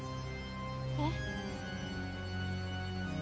えっ？